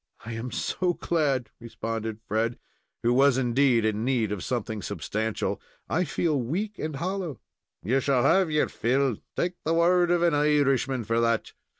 "I am so glad," responded Fred, who was indeed in need of something substantial. "I feel weak and hollow." "Ye shall have your fill; take the word of an Irishman for that.